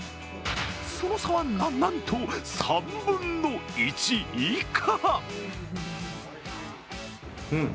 その差はなんと３分の１以下。